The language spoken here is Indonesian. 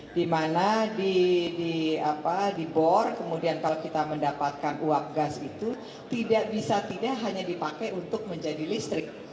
di mana di bor kemudian kalau kita mendapatkan uap gas itu tidak bisa tidak hanya dipakai untuk menjadi listrik